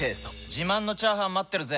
自慢のチャーハン待ってるぜ！